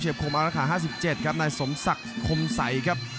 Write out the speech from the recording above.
เชียบคมอาวราคา๕๗ครับนายสมศักดิ์คมสัยครับ